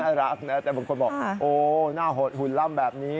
รักนะแต่บางคนบอกโอ้หน้าหดหุ่นล่ำแบบนี้